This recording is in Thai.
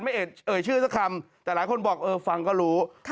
ไม่เอ่ยเอ่ยชื่อสักคำแต่หลายคนบอกเออฟังก็รู้ค่ะ